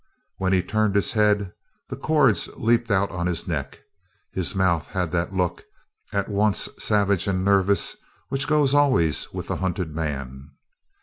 When he turned his head the cords leaped out on his neck. His mouth had that look, at once savage and nervous, which goes always with the hunted man.